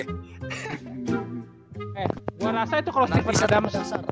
eh gua rasa itu kalo stephen adams